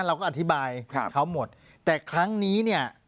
เราก็อธิบายเขาหมดแต่ครั้งนี้เนี่ย